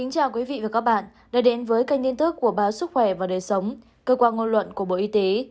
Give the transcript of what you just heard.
chào các bạn đã đến với kênh tin tức của báo sức khỏe và đề sống cơ quan ngôn luận của bộ y tế